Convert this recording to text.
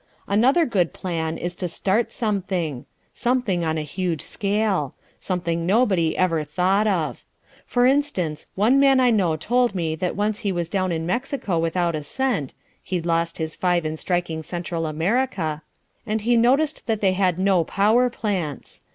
Another good plan is to start something. Something on a huge scale: something nobody ever thought of. For instance, one man I know told me that once he was down in Mexico without a cent (he'd lost his five in striking Central America) and he noticed that they had no power plants.